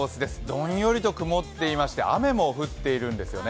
どんよりと曇っていまして雨も降っているんですよね。